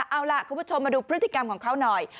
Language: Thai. เอาล่ะคุณผู้ชมมาดูพฤติกรรมของเขาหน่อย